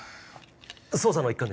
捜査の一環です。